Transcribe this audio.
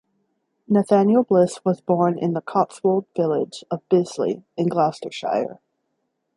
Nathaniel Bliss was born in the Cotswolds village of Bisley in Gloucestershire.